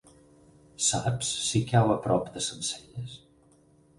Saps si cau a prop de Sencelles?